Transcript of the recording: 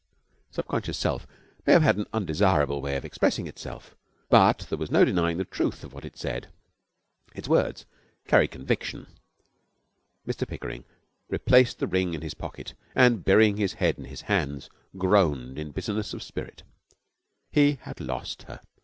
Subconscious Self may have had an undesirable way of expressing itself, but there was no denying the truth of what it said. Its words carried conviction. Mr Pickering replaced the ring in his pocket, and, burying his head in his hands, groaned in bitterness of spirit. He had lost her.